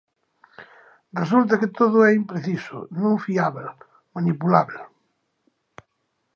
Resulta que todo é impreciso, non fiábel, manipulábel.